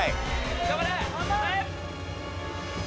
頑張れ！